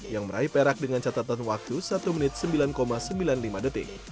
yang meraih perak dengan catatan waktu satu menit sembilan sembilan puluh lima detik